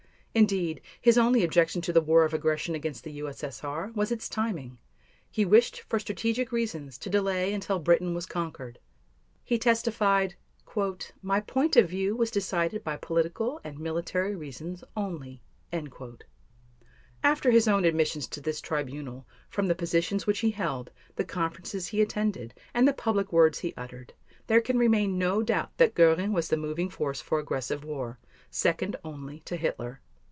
Indeed, his only objection to the war of aggression against the U.S.S.R. was its timing; he wished for strategic reasons to delay until Britain was conquered. He testified: "My point of view was decided by political and military reasons only." After his own admissions to this Tribunal, from the positions which he held, the conferences he attended, and the public words he uttered, there can remain no doubt that Göring was the moving force for aggressive war, second only to Hitler.